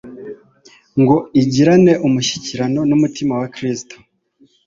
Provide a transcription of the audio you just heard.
ngo igirane umushyikirano n'umutima wa Kristo.